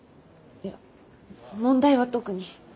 いや問題は特に。